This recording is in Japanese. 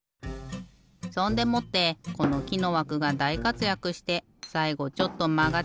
そんでもってこのきのわくがだいかつやくしてさいごちょっとまがっちゃうのもごあいきょうだよね。